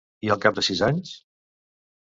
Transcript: I al cap de sis anys?